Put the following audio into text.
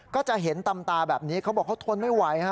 ก็จะเห็นตำตาแบบนี้เขาบอกเขาทนไม่ไหวฮะ